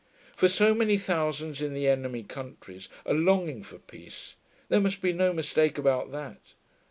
For so many thousands in the enemy countries are longing for peace; there must be no mistake about that.